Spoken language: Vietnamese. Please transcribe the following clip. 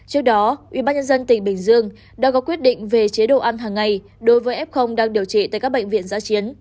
trước đó ubnd tỉnh bình dương đã có quyết định về chế độ ăn hàng ngày đối với f đang điều trị tại các bệnh viện giá chiến